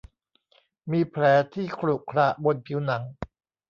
มีแผลที่ขรุขระบนผิวหนัง